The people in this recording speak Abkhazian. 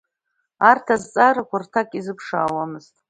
Арҭ азҵаарақәа рҭак изыԥшаауамызт.